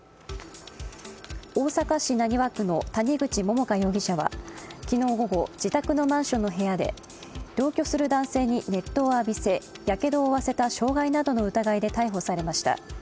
大阪市浪速区の谷口桃花容疑者は昨日午後、自宅のマンションの部屋で同居する男性に熱湯を浴びせ、やけどを負わせた傷害などの疑いで逮捕されました。